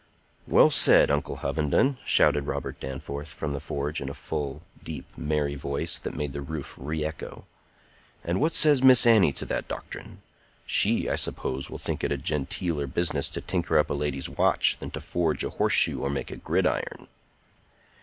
"Well said, uncle Hovenden!" shouted Robert Danforth from the forge, in a full, deep, merry voice, that made the roof re echo. "And what says Miss Annie to that doctrine? She, I suppose, will think it a genteeler business to tinker up a lady's watch than to forge a horseshoe or make a gridiron."